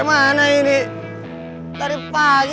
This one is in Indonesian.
bang samil itu abangku